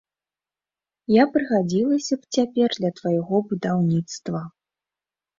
Я прыгадзілася б цяпер для твайго будаўніцтва.